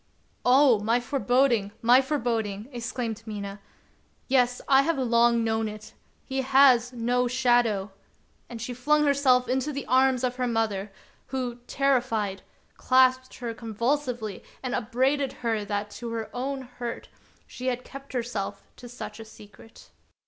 "Oh, my foreboding, my foreboding! " exclaimed Mina. "Yes, I have long known it, — he has no shadow"; and she flung herself into the arms of her mother, who, terrified, clasped her con vulsively, and upbraided her that to her own hurt of Peter SchlemihL 55 she had kept to herself such a secret.